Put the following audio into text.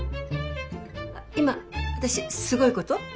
今私すごいこと？